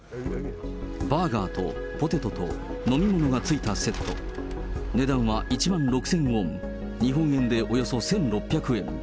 バーガーとポテトと飲み物がついたセット、値段は１万６０００ウォン、日本円でおよそ１６００円。